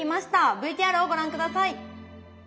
ＶＴＲをご覧下さい。